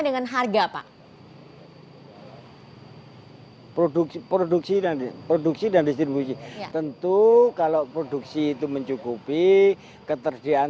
dengan harga pak produk produksi dan distribusi tentu kalau produksi itu mencukupi keterdiaan